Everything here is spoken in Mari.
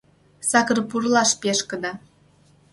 Сакыр пурлаш пешкыде.